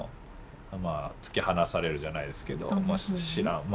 まあ突き放されるじゃないですけど。